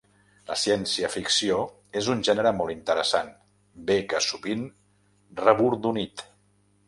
La ciència-ficció és un gènere molt interessant, bé que sovint rebordonit.